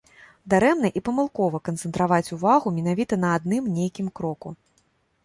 Дарэмна і памылкова канцэнтраваць увагу менавіта на адным нейкім кроку.